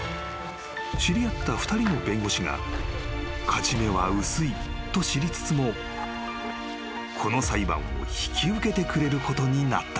［知り合った２人の弁護士が勝ち目は薄いと知りつつもこの裁判を引き受けてくれることになった］